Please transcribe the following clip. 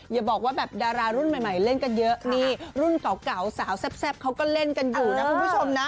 อย่าบอกว่าแบบดารารุ่นใหม่เล่นกันเยอะนี่รุ่นเก่าสาวแซ่บเขาก็เล่นกันอยู่นะคุณผู้ชมนะ